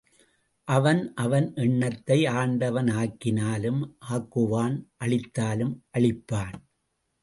அவன் அவன் எண்ணத்தை ஆண்டவன் ஆக்கினாலும் ஆக்குவான் அழித்தாலும் அழிப்பான்.